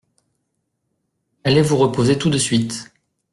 Allez vous reposer tout de suite…